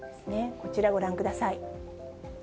こちら、ご覧ください。